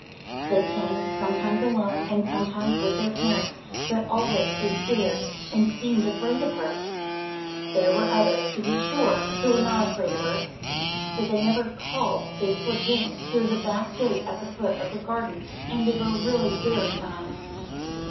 They came, sometimes alone, and sometimes with their parents, but always they stared and seemed afraid of her. There were others, to be sure, who were not afraid of her. But they never "called." They "slipped in" through the back gate at the foot of the garden, and they were really very nice.